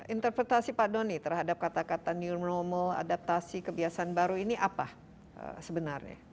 interpretasi pak doni terhadap kata kata new normal adaptasi kebiasaan baru ini apa sebenarnya